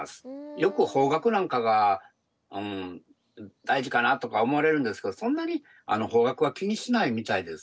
よく方角なんかが大事かなとか思われるんですけどそんなに方角は気にしないみたいです。